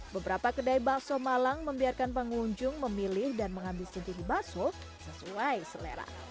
beberapa kedai bakso malang membiarkan pengunjung memilih dan mengambil sendiri bakso sesuai selera